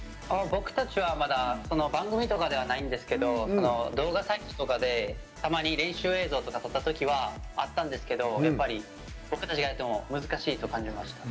僕たちはまだ番組とかではないんですけど動画サイトとかでたまに練習映像とか撮ったときはあったんですけどやっぱり僕たちがやっても難しいと感じました。